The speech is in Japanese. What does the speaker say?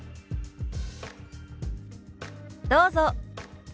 どうぞ。